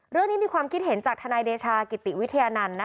เรื่องที่มีความคิดเห็นจากธนายเดชากิติวิทยานัล